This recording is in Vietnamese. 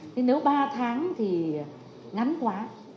thì nếu ba tháng thì ngắn quá